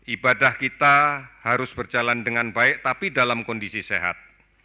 ibadah kita harus berjalan dengan baik tapi dalam kondisi sehat